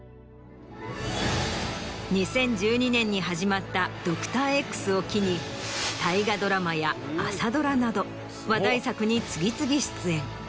２０１２年に始まった『ドクターＸ』を機に大河ドラマや朝ドラなど話題作に次々出演。